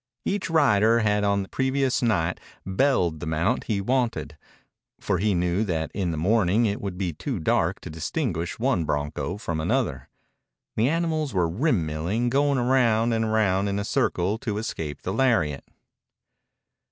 Each rider had on the previous night belled the mount he wanted, for he knew that in the morning it would be too dark to distinguish one bronco from another. The animals were rim milling, going round and round in a circle to escape the lariat.